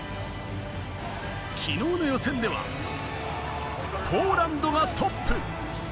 昨日の予選では、ポーランドがトップ。